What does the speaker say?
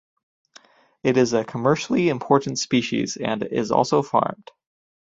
It is a commercially important species and is also farmed.